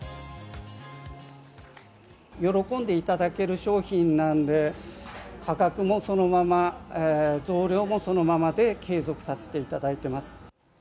喜んでいただける商品なんで、価格もそのまま、増量もそのままで継続させていただいてます。